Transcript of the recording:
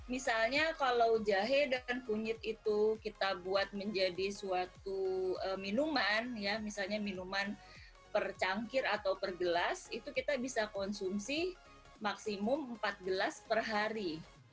misalnya kalau jahe dan kunyit itu kita buat menjadi suatu minuman misalnya minuman per cangkir atau per gelas itu kita bisa konsumsi maksimum empat gelas per hari